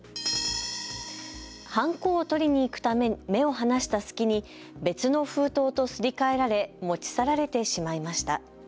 はんこを取りに行くため目を離した隙に別の封筒とすり替えられ持ち去られてしまいました。